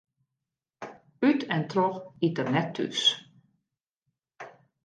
Ut en troch iet er net thús.